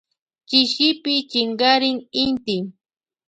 Chishipi chinkarin inti.